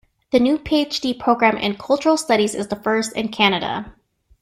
The new Ph.D Program in Cultural Studies is the first in Canada.